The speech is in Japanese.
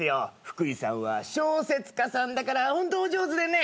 福井さんは小説家さんだからホントお上手でね。